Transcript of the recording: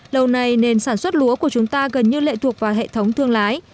lâu nay nền sản xuất lúa của chúng ta gần như lệ thuộc vào hệ thống thương lái